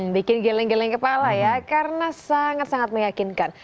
bikin geleng geleng kepala ya karena sangat sangat meyakinkan